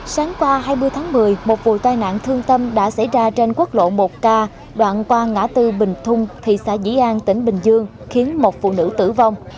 sáng qua hai mươi tháng một mươi một vụ tai nạn thương tâm đã xảy ra trên quốc lộ một k đoạn qua ngã tư bình thung thị xã dĩ an tỉnh bình dương khiến một phụ nữ tử vong